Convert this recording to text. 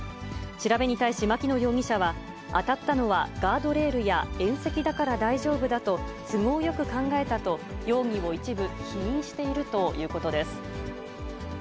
調べに対し、牧野容疑者は、当たったのはガードレールや縁石だから大丈夫だと、都合よく考えたと、容疑を一部否認しているということです。